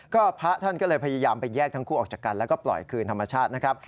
ก็พระท่านก็เลยพยายามไปแยกทั้งคู่ออกจากกันแล้วก็ปล่อยคืนธรรมชาตินะครับ